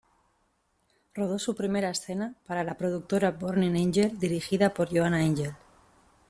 Rodó su primera escena para la productora Burning Angel, dirigida por Joanna Angel.